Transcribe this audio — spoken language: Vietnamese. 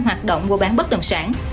hoạt động mua bán bất đồng sản